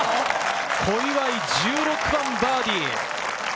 小祝、１６番、バーディー。